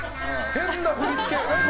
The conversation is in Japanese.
変な振り付け。